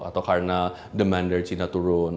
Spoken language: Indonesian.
atau karena demand dari china turun